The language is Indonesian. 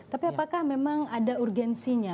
tapi apakah memang ada urgensinya